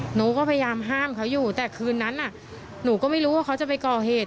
หนูก็พยายามห้ามเขาอยู่แต่คืนนั้นหนูก็ไม่รู้ว่าเขาจะไปก่อเหตุ